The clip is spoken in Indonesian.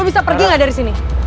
lo bisa pergi gak dari sini